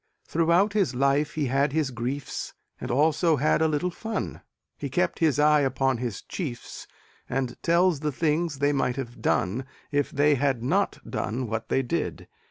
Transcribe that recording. Throughout his life he had his griefs And also had a little fun He kept his eye upon his chiefs And tells the things they might have done If they had not done what they did.